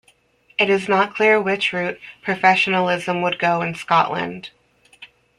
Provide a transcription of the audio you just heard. It was not clear which route professionalism would go in Scotland.